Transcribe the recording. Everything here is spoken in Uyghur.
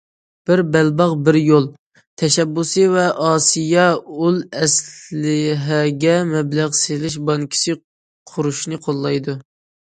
‹‹ بىر بەلباغ، بىر يول›› تەشەببۇسى ۋە ئاسىيا ئۇل ئەسلىھەگە مەبلەغ سېلىش بانكىسى قۇرۇشنى قوللايدۇ.